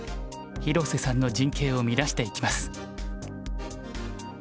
広瀬さんの陣形を乱していきます。